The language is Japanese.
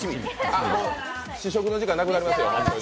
試食の時間なくなりますよ